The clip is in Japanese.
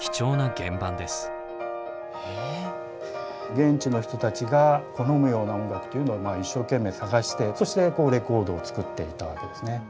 現地の人たちが好むような音楽っていうのを一生懸命探してそしてレコードを作っていたわけですね。